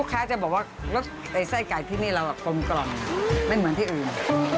ค้าจะบอกว่ารสไส้ไก่ที่นี่เรากลมไม่เหมือนที่อื่น